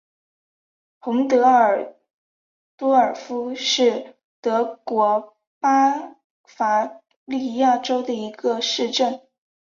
洪德尔多尔夫是德国巴伐利亚州的一个市镇。